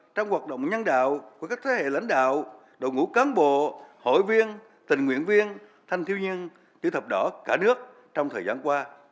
trong hoạt động nhân đạo của các thế hệ lãnh đạo đội ngũ cán bộ hội viên tình nguyện viên thanh thiêu niên chữ thập đỏ cả nước trong thời gian qua